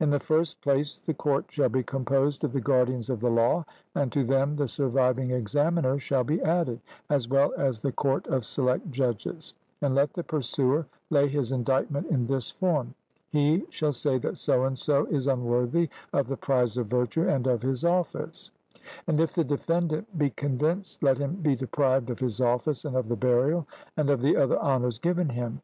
In the first place, the court shall be composed of the guardians of the law, and to them the surviving examiners shall be added, as well as the court of select judges; and let the pursuer lay his indictment in this form he shall say that so and so is unworthy of the prize of virtue and of his office; and if the defendant be convicted let him be deprived of his office, and of the burial, and of the other honours given him.